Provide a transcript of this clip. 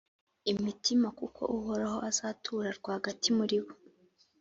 imitima kuko uhoraho azatura rwagati muri bo,